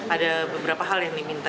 ada beberapa hal yang diminta